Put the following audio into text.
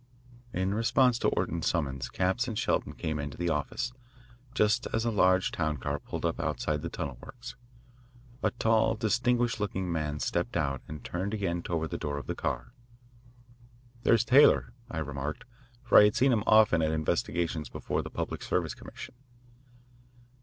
In response to Orton's summons Capps and Shelton came into the office, just as a large town car pulled up outside the tunnel works. A tall, distinguished looking man stepped out and turned again toward the door of the car. "There's Taylor," I remarked, for I had seen him often at investigations before the Public Service Commission.